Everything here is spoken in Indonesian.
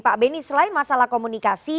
pak beni selain masalah komunikasi